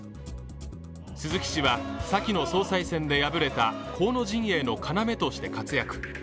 鈴木氏は、先の総裁選で敗れた河野陣営の要として活躍。